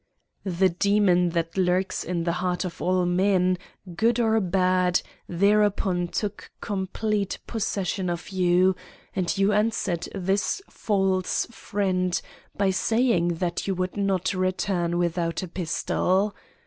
"The demon that lurks at the heart of all men, good or bad, thereupon took complete possession of you, and you answered this false friend by saying that you would not return without a pistol.